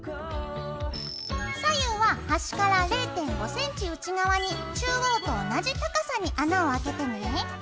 左右は端から０．５ｃｍ内側に中央と同じ高さに穴をあけてね。